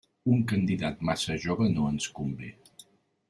Un candidat massa jove no ens convé.